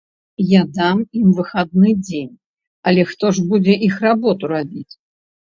Я дам ім выхадны дзень, але хто ж будзе іх работу рабіць?